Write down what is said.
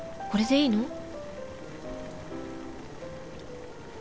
これでいいの？］